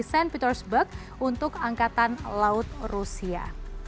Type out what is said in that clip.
severnaya di st petersburg untuk angkatan laut rusia